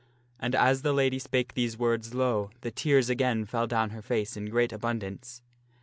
And as the lady spake these words, lo ! the tears again fell down her face in great abundance.